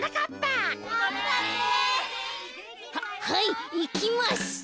ははいいきます。